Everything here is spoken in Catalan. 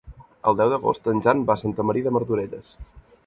El deu d'agost en Jan va a Santa Maria de Martorelles.